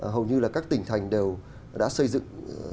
hầu như là các tỉnh thành đều đã xây dựng